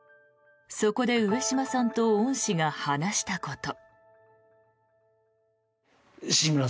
そこで上島さんと恩師が話したこと。